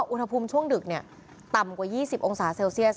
อุณหภูมิช่วงดึกต่ำกว่า๒๐องศาเซลเซียส